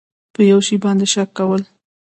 په یو شي باندې شک کول